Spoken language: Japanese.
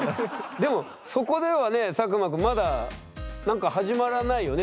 でもそこではね作間君まだなんか始まらないよね？